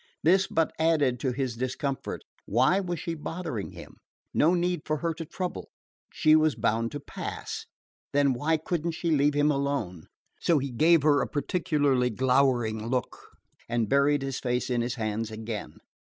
This but added to his discomfort. Why was she bothering him? No need for her to trouble. She was bound to pass. Then why could n't she leave him alone? So he gave her a particularly glowering look and buried his face in his hands again.